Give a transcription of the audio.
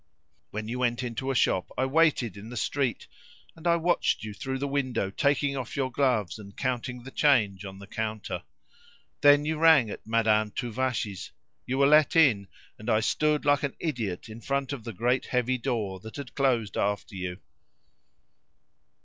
When you went into a shop, I waited in the street, and I watched you through the window taking off your gloves and counting the change on the counter. Then you rang at Madame Tuvache's; you were let in, and I stood like an idiot in front of the great heavy door that had closed after you."